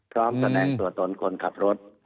แสดงตัวตนคนขับรถ